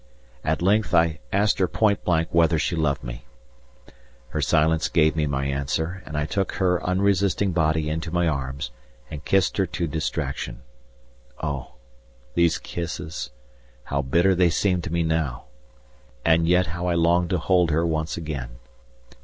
At length I asked her point blank whether she loved me. Her silence gave me my answer, and I took her unresisting body into my arms and kissed her to distraction. Oh! these kisses, how bitter they seem to me now, and yet how I long to hold her once again.